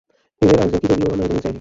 এদের একজন কিবতী ও অন্য একজন ইসরাঈলী।